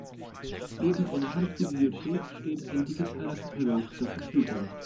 Neben einer Handbibliothek steht ein digitaler Katalog zur Verfügung.